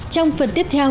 trong phần tiếp theo